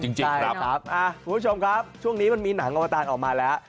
จริงครับคุณผู้ชมครับช่วงนี้มันมีหนังอวตารออกมาแล้ว